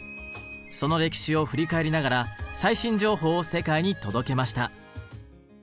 その歴史を振り返りながら最新情報を世界に届けました。